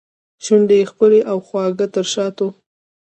شونډو کې ښکلي او خواږه تر شاتو